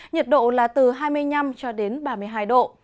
nhiệt độ là từ hai mươi năm ba mươi hai độ